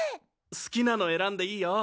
好きなの選んでいいよ。